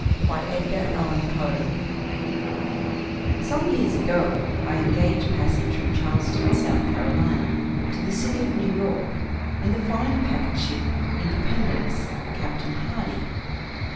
Ill Edgar Allan Poe The Oblong Box COME years ago, I engaged passage from Charleston, S. C, to the city of New York, in the fine packet ship " Independence," Captain Hardy.